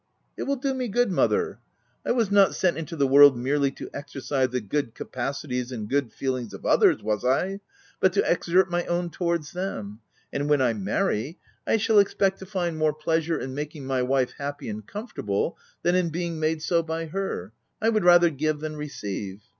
" It will do me good Mother ; I was not sent into the world merely to exercise the good capacities and good feelings of others — was I ?— but to exert my own towards them ; and when I marry, I shall expect to find more plea sure in making my wife happy and comfort able, than in being made so by her: I would rather give than receive."